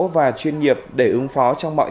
và chuyên nghiệp để ứng phó trong mọi